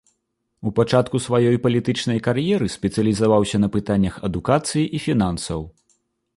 У пачатку сваёй палітычнай кар'еры спецыялізаваўся на пытаннях адукацыі і фінансаў.